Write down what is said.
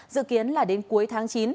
dự kiến là đến cuối tháng chín